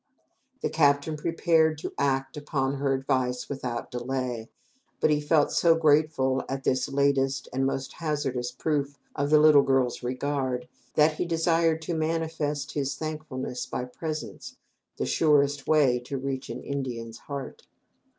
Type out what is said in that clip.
The captain prepared to act upon her advice without delay, but he felt so grateful at this latest and most hazardous proof of the little Indian girl's regard that he desired to manifest his thankfulness by presents the surest way to reach an Indian's heart.